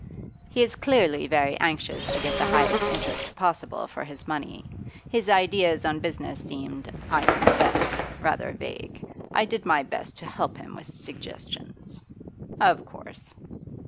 'He is clearly very anxious to get the highest interest possible for his money. His ideas on business seemed, I confess, rather vague. I did my best to help him with suggestions.' 'Of course.